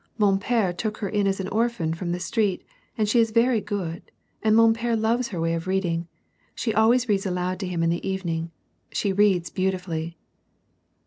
Mon p^re took her in as an orphan from the street, and she is very good, and mon pere loves her way of reading. She always reads aloud to him in the evening. She reads beautifully.''